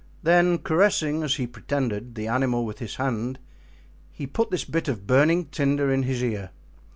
There, caressing as he pretended, the animal with his hand, he put this bit of burning tinder in his ear.